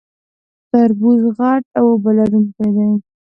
تربوز غټ او اوبه لرونکی دی